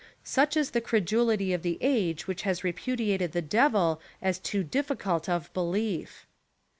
Such is the credulity of the age which has repudiated the Devil as too difficult of belief.